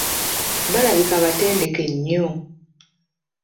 Balabika batendeke nnyo.